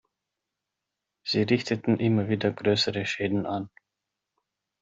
Sie richteten immer wieder grössere Schäden an.